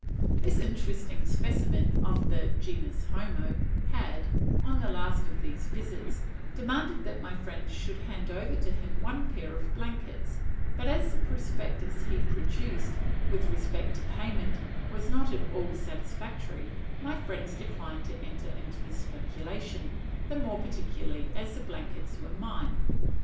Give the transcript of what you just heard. This interesting specimen of the genus homo had, on the last of these visits, demanded that my friends should hand over to him one pair of blankets; but as the prospectus he produced, with respect to payment, was not at all satisfactory, my friends declined to enter into the speculation, the more particularly as the blankets were mine.